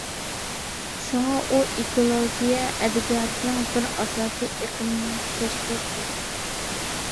شۇڭا، ئۇ ئېكولوگىيە ئەدەبىياتىنىڭ بىر ئاساسىي ئېقىمىنى تەشكىل قىلغان.